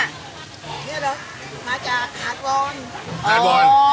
นี่เหรอมาจากฮาร์ดบอล